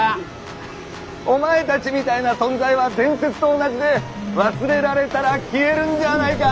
お前たちみたいな存在は伝説と同じで忘れられたら消えるんじゃあないか